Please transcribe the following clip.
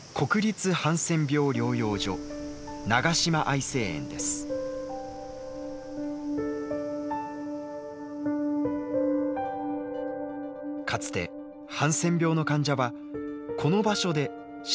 かつてハンセン病の患者はこの場所で社会から隔離されていました。